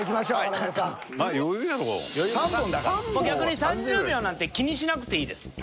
逆に３０秒なんて気にしなくていいです。